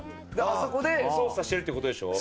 あそこで操作してるって事でしょ。